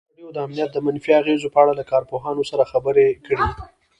ازادي راډیو د امنیت د منفي اغېزو په اړه له کارپوهانو سره خبرې کړي.